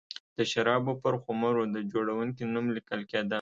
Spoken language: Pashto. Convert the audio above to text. د شرابو پر خُمرو د جوړوونکي نوم لیکل کېده.